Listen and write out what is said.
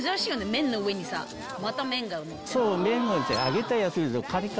麺の上にさまた麺がのってるの。